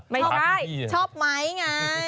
ไม่ใช่ชอบม้ายังไง